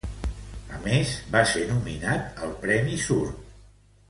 A més, va ser nominat al premi Sur.